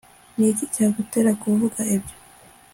niki cyagutera kuvuga ibyo